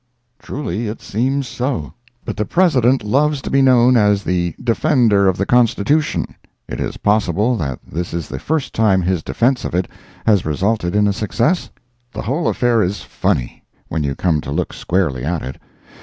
Truly, it seems so. But the President loves to be known as the "Defender of the Constitution;"—it is possible that this is the first time his defence of it has resulted in a success? The whole affair is funny, when you come to look squarely at it.